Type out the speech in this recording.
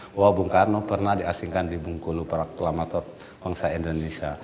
bahwa bung karno pernah diasingkan di bung kulu para reklamator bangsa indonesia